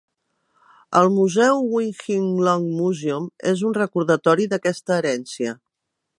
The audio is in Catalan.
El museu Wing Hing Long Museum és un recordatori d'aquesta herència.